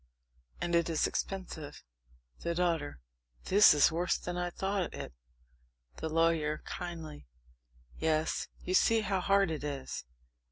And it is expensive. THE DAUGHTER. This is worse than I thought it! THE LAWYER (kindly). Yes, you see how hard it is.